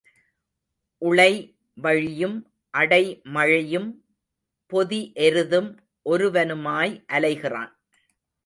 உளை வழியும் அடைமழையும் பொதி எருதும் ஒருவனுமாய் அலைகிறான்.